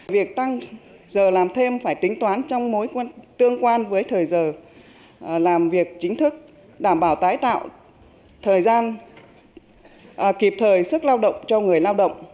việc tăng giờ làm thêm phải tính toán trong mối tương quan với thời giờ làm việc chính thức đảm bảo tái tạo thời gian kịp thời sức lao động cho người lao động